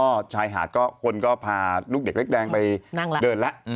ก็ชายหาดก็คนก็พาลูกเด็กเล็กแดงไปเดินแล้ว